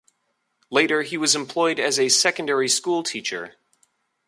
Later he was employed as a secondary school teacher.